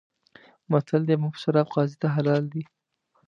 متل دی: مفت شراب قاضي ته حلال دي.